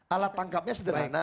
alat tangkapnya sederhana